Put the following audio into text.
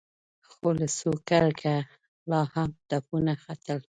خو له سوکړکه لا هم تپونه ختل.